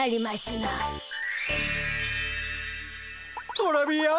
トレビアン！